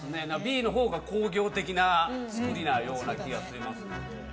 Ｂのほうが工業的な造りなような気がしますので。